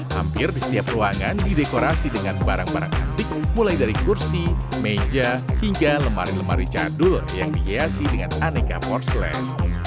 hampir di setiap ruangan didekorasi dengan barang barang antik mulai dari kursi meja hingga lemari lemari jadul yang dihiasi dengan aneka morslet